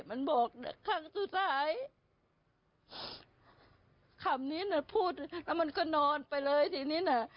มันบอกครั้งสุดท้ายคำนี้น่ะพูดแล้วมันก็นอนไปเลยทีนี้น่ะ